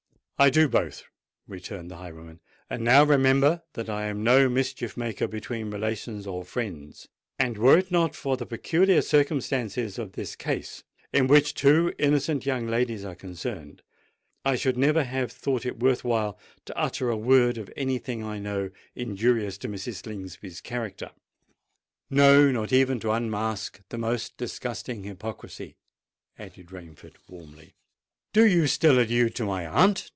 "I do both," returned the highwayman. "And now remember that I am no mischief maker between relations or friends; and were it not for the peculiar circumstances of this case, in which two innocent young ladies are concerned, I should never have thought it worth while to utter a word of any thing I know injurious to Mrs. Slingsby's character—no, not even to unmask the most disgusting hypocrisy," added Rainford warmly. "Do you still allude to my aunt?"